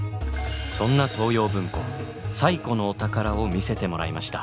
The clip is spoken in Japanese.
そんな東洋文庫最古のお宝を見せてもらいました。